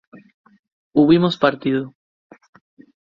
hubimos partido